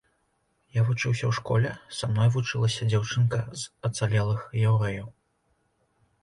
Я вучыўся ў школе, са мной вучылася дзяўчынка з ацалелых яўрэяў.